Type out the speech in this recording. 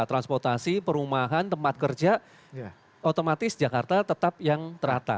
transportasi perumahan tempat kerja otomatis jakarta tetap yang terata